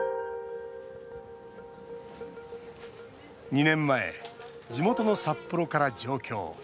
２年前、地元の札幌から上京。